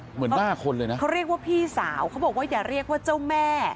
หน้าคนเลยนะเขาเรียกว่าพี่สาวเขาบอกว่าอย่าเรียกว่าเจ้าแม่